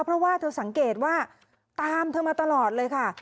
เพราะว่าเธอสังเกตว่าตามเธอมาตลอดเลยค่ะ